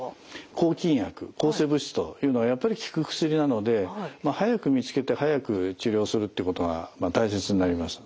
抗菌薬抗生物質というのはやっぱり効く薬なので早く見つけて早く治療するってことが大切になります。